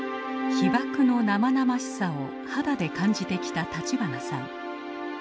被爆の生々しさを肌で感じてきた立花さん。